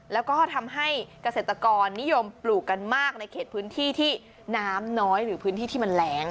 แล้วก็ทำให้เกษตรกรนิยมปลูกกันมากในเขตพื้นที่ที่น้ำน้อยหรือพื้นที่ที่มันแรง